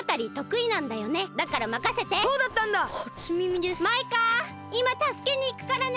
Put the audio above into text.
いまたすけにいくからね！